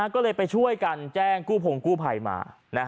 ก็เลยไปช่วยกันแจ้งกู้พงกู้ภัยมา